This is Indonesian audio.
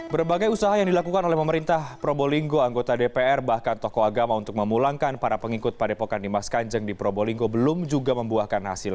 berbagai usaha yang dilakukan oleh pemerintah probolinggo anggota dpr bahkan tokoh agama untuk memulangkan para pengikut padepokan dimas kanjeng di probolinggo belum juga membuahkan hasil